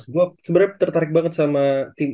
gue sebenarnya tertarik banget sama tim